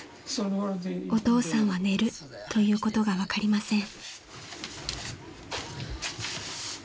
［お父さんは寝るということが分かりません］